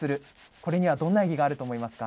これにはどんな意義があると思いますか？